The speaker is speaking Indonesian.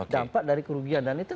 dampak dari kerugiannya